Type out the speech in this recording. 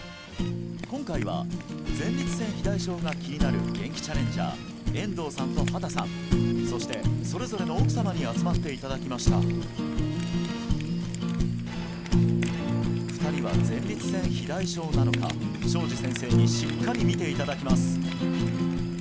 今回は前立腺肥大症が気になるゲンキチャレンジャー遠藤さんと畑さんそしてそれぞれの奥様に集まっていただきました２人は前立腺肥大症なのか小路先生にしっかり診ていただきます